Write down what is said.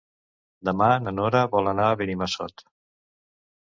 Demà na Nora vol anar a Benimassot.